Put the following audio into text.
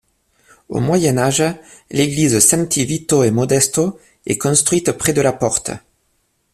Au Moyen Âge, l'église Santi Vito e Modesto est construite près de la porte.